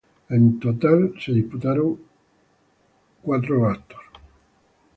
En total se disputaron eventos.